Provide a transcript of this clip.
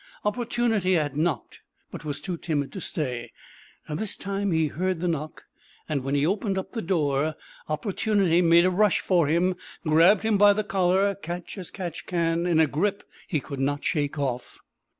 Opportunity had knocked, but was too timid to stay. This time, he heard the knock, and when he opened up the door, Opportunity made a rush for him, grabbed him by the collar catch as catch can in a grip he could not shake off.